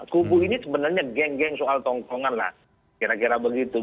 kubu ini sebenarnya geng geng soal tongkongan lah kira kira begitu